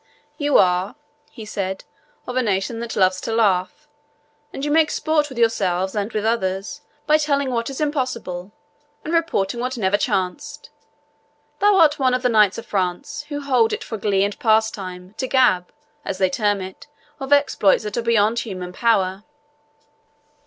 "You are," he said, "of a nation that loves to laugh, and you make sport with yourselves, and with others, by telling what is impossible, and reporting what never chanced. Thou art one of the knights of France, who hold it for glee and pastime to GAB, as they term it, of exploits that are beyond human power.